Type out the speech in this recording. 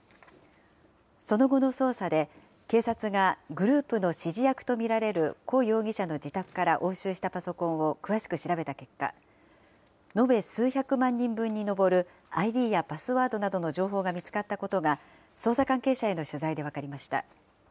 その後の捜査で警察がグループの指示役と見られる胡容疑者の自宅から押収したパソコンを詳しく調べた結果、延べ数百万人分に上るＩＤやパスワードなどの情報が見つかったことが、捜査関係者への取材で分かりました。